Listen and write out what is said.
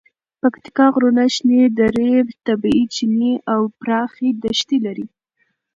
پکتیکا غرونه، شنې درې، طبیعي چینې او پراخې دښتې لري.